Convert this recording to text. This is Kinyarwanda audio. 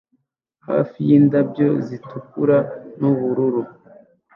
hafi yindabyo zitukura nubururu